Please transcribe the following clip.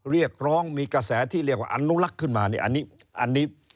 เรียกร้องมีกระแสที่เรียกว่าอนุลักษ์ขึ้นมาเนี่ยอันนี้